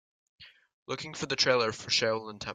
Looking for the trailer for Shaolin Temple